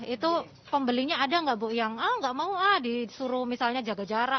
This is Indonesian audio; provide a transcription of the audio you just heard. itu pembelinya ada nggak bu yang ah nggak mau ah disuruh misalnya jaga jarak